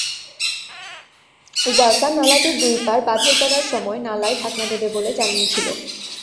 ওয়াসা নালাটির দুই পাড় বাঁধাই করার সময় নালায় ঢাকনা দেবে বলে জানিয়েছিল।